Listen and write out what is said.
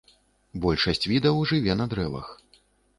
Большасць відаў жыве на дрэвах.